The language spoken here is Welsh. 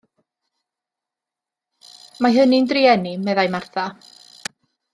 Mae hynny'n drueni, meddai Martha.